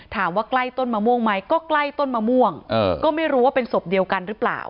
ใกล้ต้นมะม่วงไหมก็ใกล้ต้นมะม่วงก็ไม่รู้ว่าเป็นศพเดียวกันหรือเปล่า